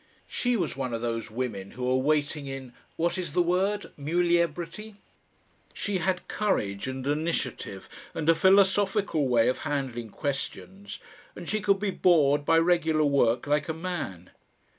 She was one of those women who are waiting in what is the word? muliebrity. She had courage and initiative and a philosophical way of handling questions, and she could be bored by regular work like a man.